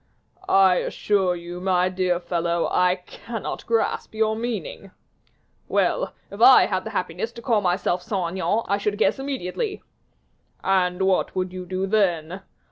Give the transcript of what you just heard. "I assure you, my dear fellow, I cannot grasp your meaning." "Well! if I had the happiness to call myself Saint Aignan, I should guess immediately." "And what would you do then?"